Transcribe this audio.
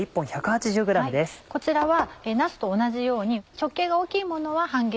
こちらはなすと同じように直径が大きいものは半月。